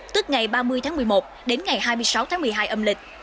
tức ngày ba mươi tháng một mươi một đến ngày hai mươi sáu tháng một mươi hai âm lịch